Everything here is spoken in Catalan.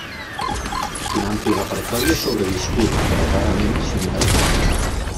Un ampli repertori ha sobreviscut, però rarament s’interpreta.